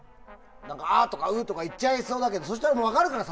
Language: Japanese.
あっ！とか、うっ！とか言っちゃいそうだけどそうしたら分かるからね。